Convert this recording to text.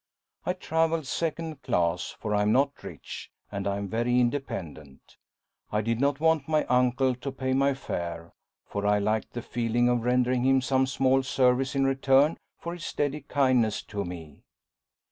I travelled second class; for I am not rich, and I am very independent. I did not want my uncle to pay my fare, for I liked the feeling of rendering him some small service in return for his steady kindness to me.